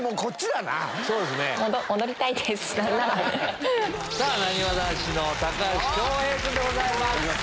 なにわ男子の高橋恭平君でございます。